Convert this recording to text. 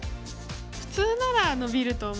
普通ならノビると思うんですが。